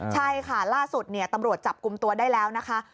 ใช่ค่ะล่าสุดตำรวจจับกลุ่มตัวได้แล้วนะคะ